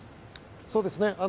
そうですね。